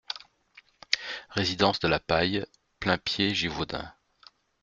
Résidence de la Paille, Plaimpied-Givaudins